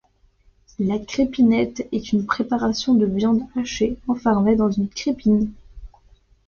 La crépinette est une préparation de viande hachée enfermée dans une crépine.